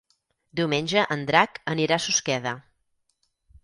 Diumenge en Drac anirà a Susqueda.